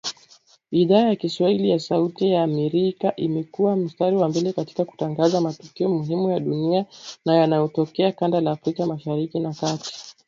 Idhaa ya kiswahili ya Sauti ya Amerika imekua mstari wa mbele katika kutangaza matukio muhimu ya dunia na yanayotokea kanda ya Afrika Mashariki na Kati.